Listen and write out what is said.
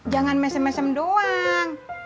jangan mesem mesem doang